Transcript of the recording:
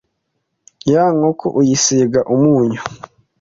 Ya nkoko uyisiga umunyu,